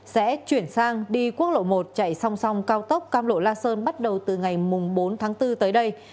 sẽ chuyển sang đi quốc lộ một chạy song song cao tốc cam lộ la sơn bắt đầu từ ngày bốn tháng bốn tới đây